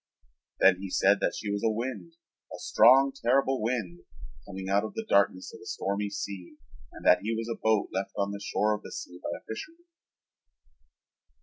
Then he said that she was a wind, a strong terrible wind, coming out of the darkness of a stormy sea and that he was a boat left on the shore of the sea by a fisherman.